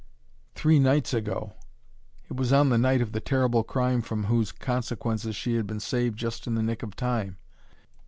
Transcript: Three nights ago! It was on the night of the terrible crime from whose consequences she had been saved just in the nick of time.